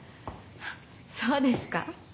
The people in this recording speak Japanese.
そうですか？